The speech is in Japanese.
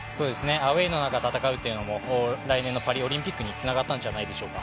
アウェーの中戦うというのも来年のパリオリンピックにつながったんじゃないでしょうか。